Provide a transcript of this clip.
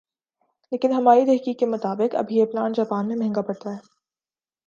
لیکن ہماری تحقیق کے مطابق ابھی یہ پلانٹ جاپان میں مہنگا پڑتا ھے